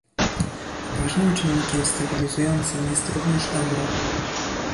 Ważnym czynnikiem stabilizującym jest również euro